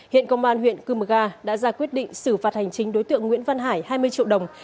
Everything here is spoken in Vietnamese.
hiện công an huyện cư mờ ga đã ra quyết định xử phạt hành chính đối tượng nguyễn văn hải hai mươi triệu đồng